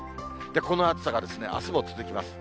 この暑さがあすも続きます。